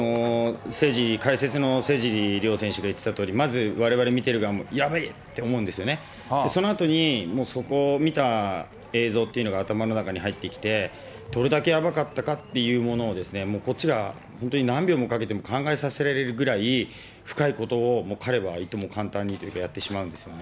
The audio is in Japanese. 解説のせじりりょう選手が言ってたとおり、われわれ見てる側も、やべぇって思うんですよね、そのあとにそこを見た映像というのが入ってきて、どれだけやばかったかというものを、こっちが本当に何秒もかけても考えさせられるくらい、深いことを彼はいとも簡単にやってしまうんですよね。